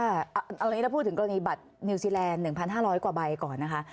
เอาอย่างนี้เราพูดถึงกรณีบัตรนิวซีแลนด์๑๕๐๐กว่าใบก่อนนะคะ